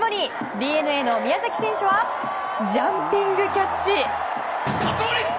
ＤｅＮＡの宮崎選手はジャンピングキャッチ！